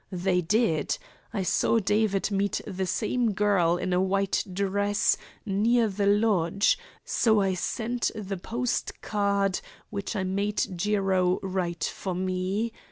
They did. I saw David meet the same girl in a white dress near the lodge, so I sent the post card which I made Jiro write for me.